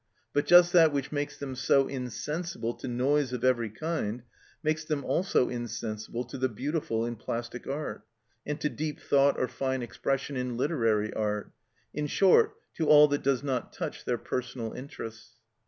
But just that which makes them so insensible to noise of every kind makes them also insensible to the beautiful in plastic art, and to deep thought or fine expression in literary art; in short, to all that does not touch their personal interests.